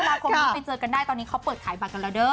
ลาคมที่ไปเจอกันได้ตอนนี้เขาเปิดขายบัตรกันแล้วเด้อ